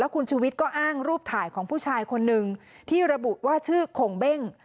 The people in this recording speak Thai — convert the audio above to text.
ของผู้ชายคนนึงที่ระบุว่าชื่อโขงเบ้ง